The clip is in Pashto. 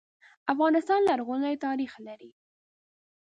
افغانستان لرغونی ناریخ لري.